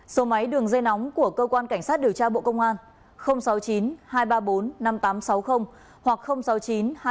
số máy đường dây nóng của cơ quan cảnh sát điều tra bộ công an sáu mươi chín hai trăm ba mươi bốn năm nghìn tám trăm sáu mươi hoặc sáu mươi chín hai trăm ba mươi hai một nghìn sáu trăm sáu mươi bảy